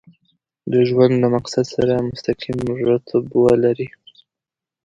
د ژوند له مقصد سره مسقيم ربط ولري.